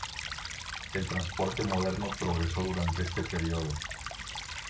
El transporte moderno progresó durante este período.